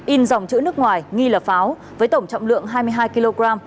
in dòng chữ nước ngoài nghi là pháo với tổng trọng lượng hai mươi hai kg